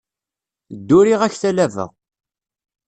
Dduriɣ-ak talaba.